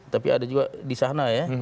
tapi ada juga di sana ya